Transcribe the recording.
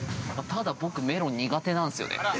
ただ僕、メロン苦手なんすよね。